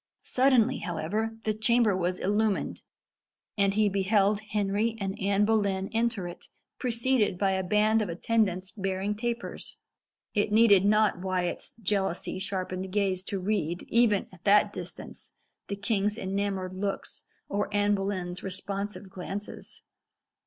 Suddenly, however, the chamber was illumined, and he beheld Henry and Anne Boleyn enter it, preceded by a band of attendants bearing tapers. It needed not Wyat's jealousy sharpened gaze to read, even at that distance, the king's enamoured looks, or Anne Boleyn's responsive glances.